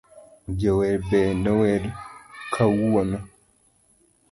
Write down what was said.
Jower be nower kawuono,.